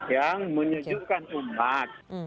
yang menyujukan umat